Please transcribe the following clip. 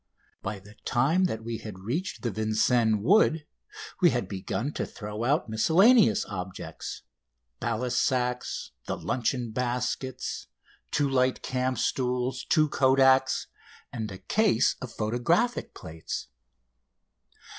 By the time that we had reached the Vincennes wood we had begun to throw out miscellaneous objects ballast sacks, the luncheon baskets, two light camp stools, two kodaks, and a case of photographic plates!